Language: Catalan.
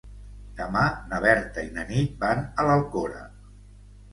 Demà na Berta i na Nit van a l'Alcora.